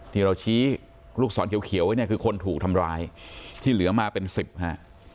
ที่เราชี้ลูกศรเขียวไว้เนี่ยคือคนถูกทำร้ายที่เหลือมาเป็นสิบฮะ